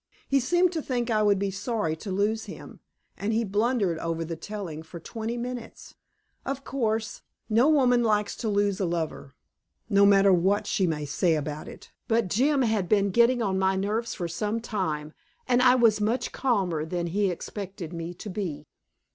He seemed to think I would be sorry to lose him, and he blundered over the telling for twenty minutes. Of course, no woman likes to lose a lover, no matter what she may say about it, but Jim had been getting on my nerves for some time, and I was much calmer than he expected me to be.